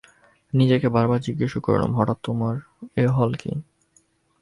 নিজেকে বারবার জিজ্ঞাসা করলুম, হঠাৎ তোমার এ হল কী?